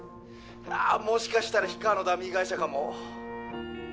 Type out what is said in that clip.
あぁもしかしたら氷川のダミー会社かも。